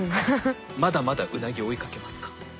まだまだウナギ追いかけますか？